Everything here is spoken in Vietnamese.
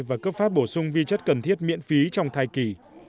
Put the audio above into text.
và cấp phát bổ sung vi chất cần thiết miễn phí trong thai kỳ